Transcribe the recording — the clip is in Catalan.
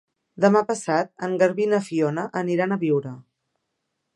Demà passat en Garbí i na Fiona aniran a Biure.